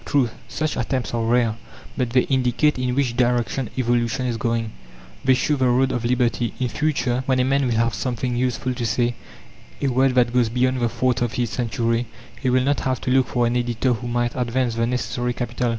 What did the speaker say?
True, such attempts are rare, but they indicate in which direction evolution is going. They show the road of liberty. In future, when a man will have something useful to say a word that goes beyond the thoughts of his century, he will not have to look for an editor who might advance the necessary capital.